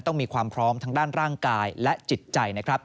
ต้องมีความพร้อมทางด้านร่างกายและจิตใจนะครับ